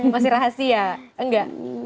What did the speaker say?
masih rahasia enggak